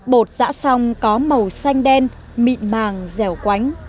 bột giã song có màu xanh đen mịn màng dẻo quánh